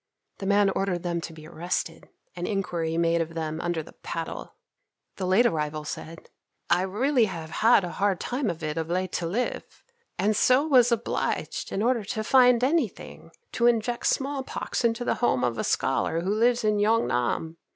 The man ordered them to be arrested, and inquiry made of them under the paddle. The late arrival said, "I really have had a hard time of it of late to live, and so was obliged, in order to find anything, to inject smallpox into the home of a scholar who lives in Yong nam.